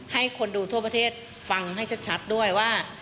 ให้คนดูทั่วประเทศฟังให้ชัดด้วยว่า